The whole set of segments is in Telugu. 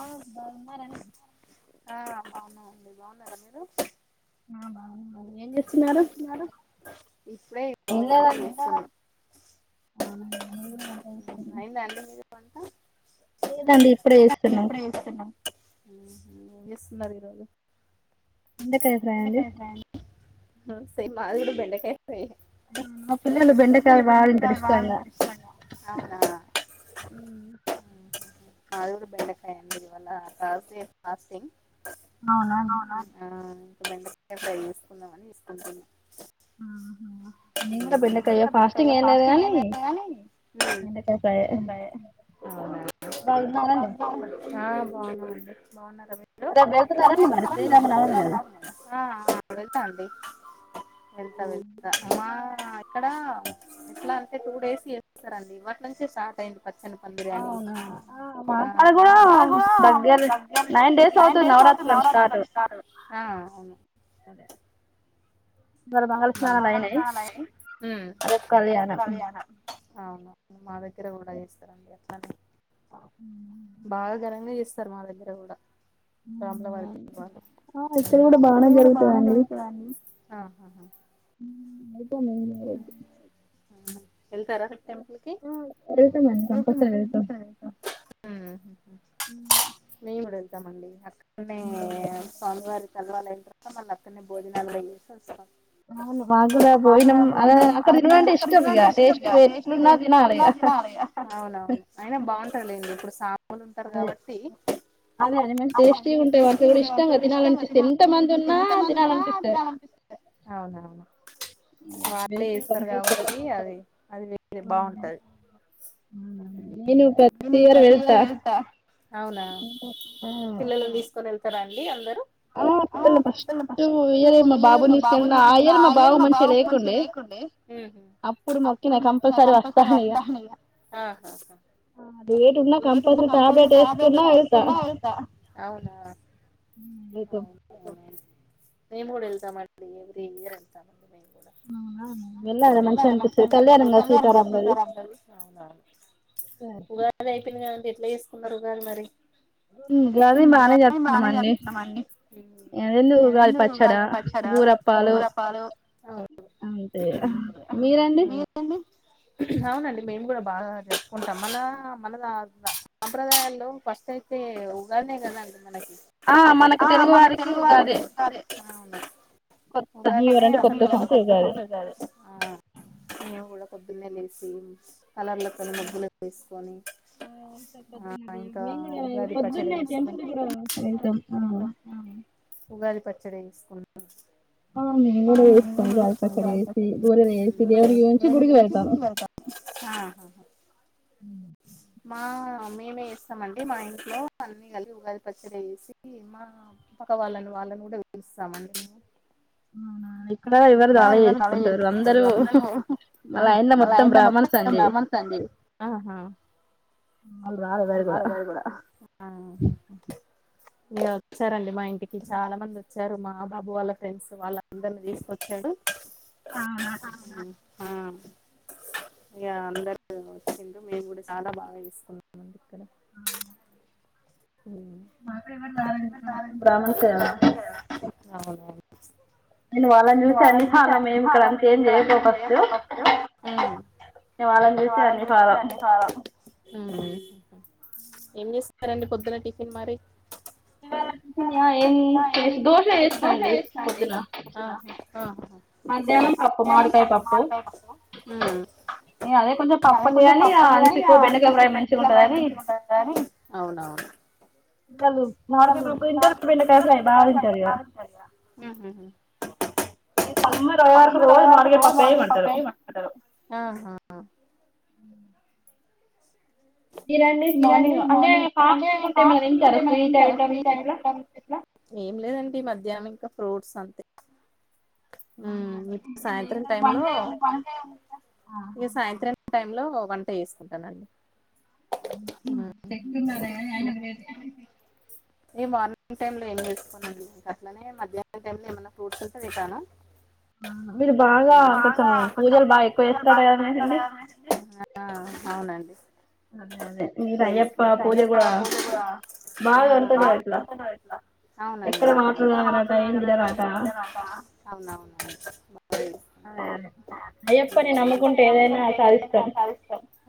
ఆ బాగునరండి ఆ బాగున్నాండి బాగున్నారా మీరు ఆ బావునం ఇప్పుడే ఇదో వంట చేస్తున ఆవునా నేను కూడా వంట చేస్తున్న వంట లేదండి ఇప్పుడే చేస్తున్నాం ఉమ్ ఏం చేస్తున్నారు మీరు బెండకాయ ఫ్రై అండి ఓహో సేమ్ మాది కూడా బెండకాయ మా పిల్లలు బెండకాయ బాగా తింటారు ఇష్టంగా ఉమ్ ఉమ్ మది కూడా బెండకాయ సేమ్ మాసింగ్ అవునా ఇంకా బెండకాయ ఫ్రై చేసుకుందాం అని తీసుకుంటున అ ఆ నేను కూడా బెండకాయే ఫాస్టింగ్ ఏం లేదు కాని బెండకాయ ఫ్రై యే అవున అండి ఆ బాగున్నాండి బాగున్నార్ [unintelligible] ఆ వెళ్తాండి వెళ్తా వెళ్తా ఆ ఇక్కడ ఎట్లా అంటే టూ డేస్ చేస్తారండి ఇవాటి నుంచే స్టార్ట్ అయింది పచ్చని పందిరాని [unintelligible] ఆ అవును అదే ఆ ఉమ్ అవును మా దగ్గర కూడా చేస్తారండి అట్లనే ఉమ్ బా ఘనంగా చేస్తారు మా దగ్గర కూడా ఆ ఇక్కడ కూడా బానే జరుగుతదండి ఆ హా హా [unintelligible] అవున వెళ్తారా రేపు టెంపుల్ కి ఉమ్ ఉమ్ వెళ్తామండి అక్కడనే స్వామివారికి కల్ల వాళ్ళ ఇంట్ర మళ్ళ అక్కనే భోజనాలు చేేసి వస్తాం అవును మాకుర పోయినం అవునవును [unintelligible] లేండి ఇప్పుడు సాములు ఉంటారు కాబట్టి అదే అది మంచి టేస్టీగా ఉంటాయి వంటరు కూడా ఇష్టంగా తినాలనిపిస్తాయి ఎంత మంది ఉన్నా తినాలనిపిస్తాయి అవునవును [unintelligible] నేను ప్రతియారు వెళ్తా అవునా పిల్లలను తీసుకొని వెళ్తారా అండి అందరు ఏ మా ఫస్ట్ మా బాబుని [unintelligible] మా బావ ఉమ్ హు ఆహా హా అవునా ఉమ్ చోపు మేము కూడా వెళ్తాం ఎవ్రీ ఇయర్ వెళ్తామండి [unintelligible] ఉగాది అయిపోయింది కదండి ఎట్లా చేసుకున్నారు ఉగాది మరి అ ఉగాది బానే జరుపుకున్నాము అండి ఎందు ఉగాది పచ్చడా బూర కూర పాలు అంతే మీరండి మేము కూడా బాగా జరుపుకుంటాం మన మన సాంప్రదాయాల్లో ఫస్ట్ అయితేగా కదండి మనకి ఆ మనకు తెలుగు వారికి ఉగాదే ఆ ఉగాదినే అసలు మేము కూడా పొద్దున్నే లేసి కల్లర్ల తోని ముగ్గులు వేసుకొని ఆ ఇంకా ఉగాది పచ్చడి ఏసుకొని ఉగాది పచ్చడి వేసుకుంటు ఆ మేము కూడా ఏస్తాం చాలా గ్యాస్ వస్తంది ఉమ్ క్యూ లో నిలబడి గుడికి పోత ఆ హా హా ఉ ఆ మేమే ఇస్తామండి మా ఇంట్లో అన్ని కలి ఉగాది పచ్చడి వేసి మా ప వాళ్ళని వాళ్ళని కూడా పిలుస్తామండి మేము అవునా ఇక్కడ ఎవ్వరూ రా [unintelligible] ఆహా వాళ్ళ ఆయనే మొత్తం రమ్మంటాంది ఆ హా ఆ మొన్న అగయి కూడా ఆ ఇలా వచ్చారండి మా ఇంటికి చాలా మంది వచ్చారు మా బాబు వాళ్ళ ఫ్రెండ్స్ వాళ్ళందరిని తీసుకొచ్చాడు అవునా ఆ ఇక అందరు వచ్చి మేము కూడా చాలా బాగా చేసుకున్నాం ఉంది ఇక్కడ ఆ ఉ కాఫీ తాగచ్చు కదా అవునవును ఇన వాళ్లను చూస్తే అని చాల మేము ఇక్కడ అకేం చేయపోకచ్చు ఏ వాళ్ళని పిలిత్తే అండి సాలు ఉహు ఏం చేస్తారండి పొద్దున్న టిఫిన్ మరి [unintelligible] యా ఏం చే దోష చేస్తా అండి పొద్దున మధ్యాహనం పప్పు మామిడికాయ పప్పు ఉ అదే కొంచెం తప్పుంది కానీ అంచుకు బంటకా మంచిు ఉంటది కాని అవునవును ఇట్ల మామిడికాయ కింద బెండకాయ ఫ్రై బావుంటది ఉహు ఈ సమ్మర్ వరకు రోజు మామిడికాయ పప్పయి మంటరు ఇరండి మార్నింగ్ అంటే ఫాస్టింగ్ ఉంటే ఏమన తింటారా ఫ్రీ టైమ్ లో ఇట్లా ఏం లేదండి ఈ మధ్యాహ్నం ఇంకా ఫ్రూట్స్ అంతే ఉమ్ సాయంత్రం టైం లో ఇక సాయంత్రం టైం లో వంట చేసుకుంటానండి ఉహు చెకుంద ఆయన ఆయన నిలబెట్టి ఈ మార్నింగ్ టైమ్ లో ఏం చేసుకోనండి అట్లనే మధ్యాహ్నం టైమ్ లో ఏమైనా ఫ్రూట్స్ ఉంటే పెట్టాను ఆ ఆ మీరు బాగా కొంచెం పూజలు బాగా ఎక్కువ చేస్తున్నారు కదండి ఇ అయప్ప పూజ కూడ ఆ అవునండి అవునవునండి ఫ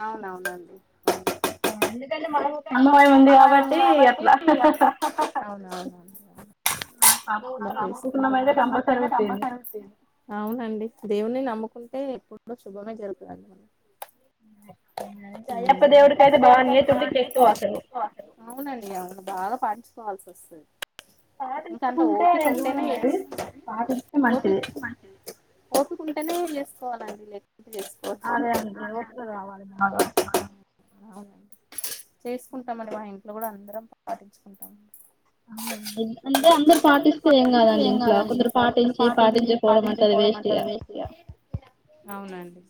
అవునవునండి ఎందుకంటే మనకు అందమయం ఉంది కాబట్టి అట్లా మాకు పాప పుట్టాలి అని మొక్కుకున్నాం అయితే కంపల్సరీ పుట్టింది దేవుని నమ్ముకుంటే ఎప్పుడు శుభమే జరుగుతుదండి మనం అవునండి అవును బాగా ఫండ్ ఫాల్స్ వస్తది ఇంక అంట ఓపిక ఉంటేనే ఓపి ఓపికుంటేనే చేసుకోవాలండి లేక అదే అండి ఓపిక కావాలి బాగా అవునండి చేసుకుంటామండి మా ఇంట్లో కూడా అందరం పాటించుకుంటాం అంటే అందరు పాటిస్తే ఏం కాదండి ఇంట్లో, కొందరు పాటించి పాటించకపోవడం అంటే అది వేస్ట్. అవునండి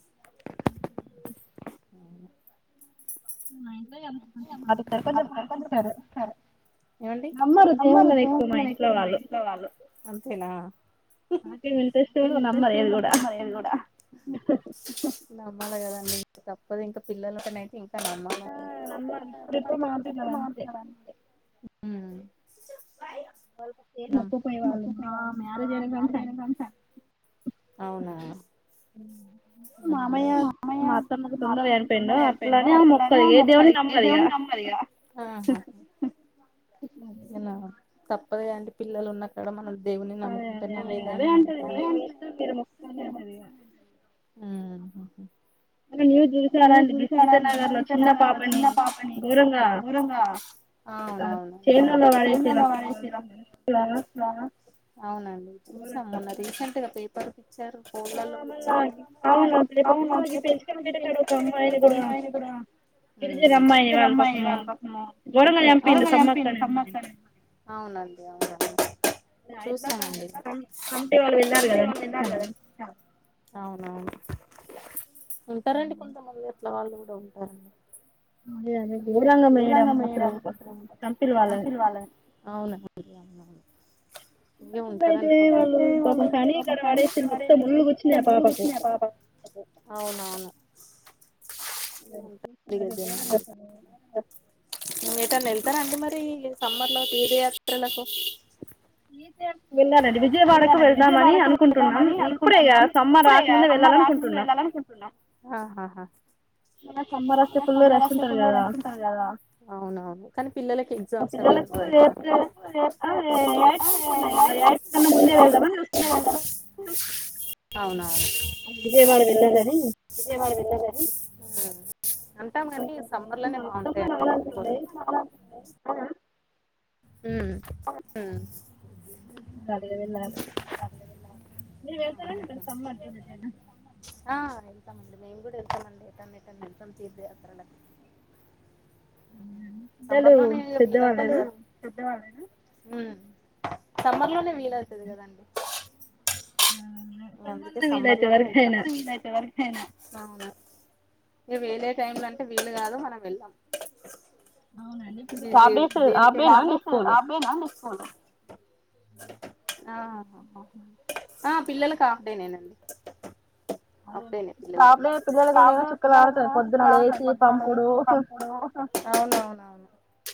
అవును ఏవండీ [unintelligible] మా ఇంట్లో వాళ్ళు నాకేం ఇంట్రెస్ట్ నమ్మరు ఏది కూడా నమ్మాలి కదండి ఇంక తప్పదు ఇంక పిల్లలు కన్నా అయితే ఇం క నమ్మాలండి [unintelligible] అవునా మా మామయ్య మా అత్తమ్మకు తొందరగా చని పోయిండ అట్లానే ఆమె మొక్కదు, ఏ దేవున్ని నమ్మ దిగా తప్పదు కదాఅండి పిల్లలు ఉన్నకాడ మనం దేవున్ని నమ్ముకుంటేనే ఏదైనా అ [unintelligible] ఉమ్ హు హు మీరు న్యూస్ చూసారండి సీతా నగర్ లో చిన్న పాపని గోరంగా అవును అవునండి అవును అవునండి చూసాం మొన్న రీసెంట్ గా పేప్ ఆ మళ్ళాగి [unintelligible] అక్కడ ఒక అమ్మాయిని కూడా గిరిజన అమ్మాయిని వాళ్ళు పాపము గోరంగ చంపిండు సమ్మక్కని ఆయమ్మని అవునండి అవునుగా చూసానండి [unintelligible] అవునవును ఉంటారండి కొంతమంది అట్ల వాళ్ళు గుడా ఉంటారండి అదే అదే దూరంగ మేడం అసలు కంపిని వాళ్ళవే అవునవును అయితే ఉంటరనుకుంట అవునవును [unintelligible] హుమ్ ఎటన్న ఎల్తరండి మరి ఈ సమ్మర్లో తీర్థయాత్రలకు వేళ్ళనండి విజయవాడకు ఎల్దామని అనుకుంటున్నాం ఇప్పుడే ఇగ అమ్మ రాకు ఎళ్ళలనుకుంటున్నం సమ్మర్ లో ఫుల్ రష్ ఉంటది కదా అవునవును కానీ పిల్లలకి ఎగ్జామ్స్ అవి ఉంటాయి చెత్తే అవును యాక్సిస్ ఉన్నాయ్ కదా యాక్సిస్ అయినా ముందే వెళ్దామని చూసినా అవును అందుకే మరి వేరెవాళ్ళాని ఆ అంటాము కానీ సమ్మర్ లోనే బాగుంటాయండి అన్ని కూడా మ్మ్ హ్మ్ ఉరికి ఉన్నాది కదా [unintelligible] మీరు వెళ్తారా లేదా సమ్మర్ టూర్ ఎటు అయిన వేళ్తమండి మిమ్ కూడా వెళ్తమండి ఎటన్నా వెళ్తం తీర్థ యాత్రలకు మ్మ్ సమ్మర్ లొనే వీలు అవుతాలు ఆ సమ్మర్ లోనే వీలు అవుతాది కదండి నిను అందుకే సమ్మర్ లోనే వెళ్తా అవును ఇంగా వేలే టైమ్ లో అంటే వీలు కాదు మనం వెళ్ళాం అవునండి ఇప్పుడు నికు [unintelligible] ఆ ఆ పిల్లలుకు అప్ డే నండి పిల్లలకు [unintelligible] శుక్రవారం పొద్దున లేసి పంపుడు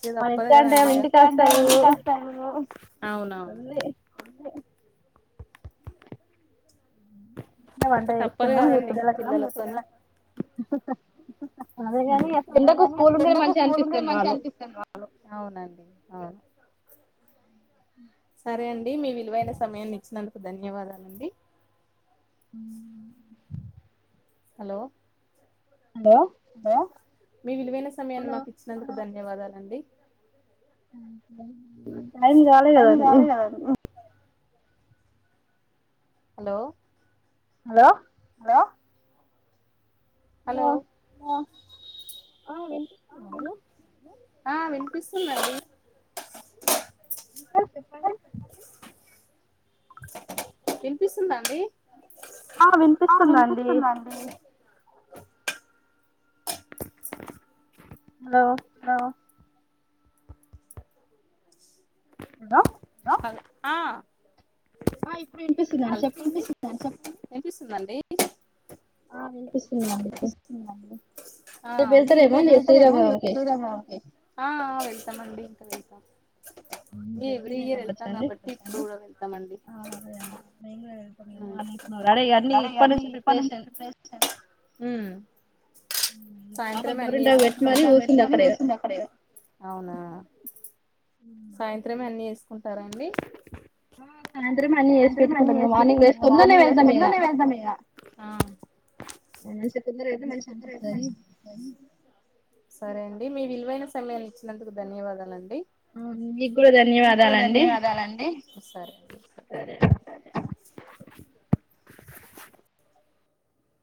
ఇదొ అర్థమే కాలేదుఅండి ఇగ అవునవును మరి వంట చేస్తున్నార మీ పిల్లలకు అదేగాని అసలు ఎందుకు స్కూల్ ఉండుడే మంచిగా అనిపిస్తుంది వాళ్ళు సరే అండి మీ విలువైన సమయాన్ని ఇచ్చినందుకు ధన్యవాదాలండి అవును హలో హలో మీ విలువైన సమయాన్ని మాకు ఇచ్చినందుకు ధన్యవాదాలండి టైం కాలే కదండి హలో హలో హలో హలో ఆ వినిపిస్తుందండి ఆ వినిపిస్తుందండి ఇంకా చెప్పండి వినిపిస్తుందా అండి ఆ వినిపిస్తుంది అండి సా హలో ఆ వినిపిస్తుందండి ఆ వినిపిస్తు ఆ వినిపిస్తుందండి ఆ ఆ వెళ్తామండి ఇంకా వెళ్తాం ఎవ్రీ ఇయర్ వెళ్తాం కాబట్టి ఇప్పుడు కూడా వెళ్తామండి అన్నీ ఇప్పటి నుంచి ప్రిపెర్ చేస్ మ్మ్ సాయంత్రమే అన్ని చేసుపెట్టుకొని అవునా సాయంత్రమే అన్ని ఏసుకుంటారాండి హ సాయంత్రం మే అన్ని ఎసి పెట్టుకుంటాం మార్నింగ్ లేస్తానే వెళ్తం ఇక అవును సార్ [unintelligible] సరే అండి మీ విలువైన సమయాన్నీ ఇచ్చినందుకు ధన్యవాదాల అండి మీకు ధన్యవాదాలండి సరే